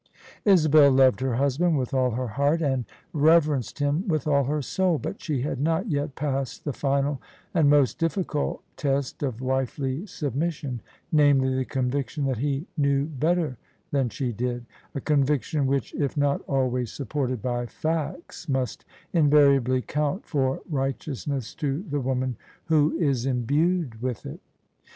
Isabel loved her husband with all her heart, and rever enced him with all her soul : but she had not yet passed the final and most difficult test of wifely submission, namely the conviction that he knew better than she did : a conviction which — if not always supported by facts — ^must invariably count for righteousness to the woman who is imbued with it.